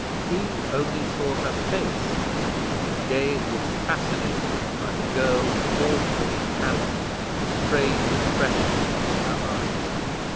He only saw her face; his gaze was fascinated by the girl's awful pallor, and the strange expression of her eyes.